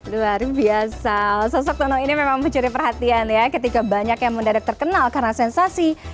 luar biasa sosok tono ini memang mencuri perhatian ya ketika banyak yang mendadak terkenal karena sensasi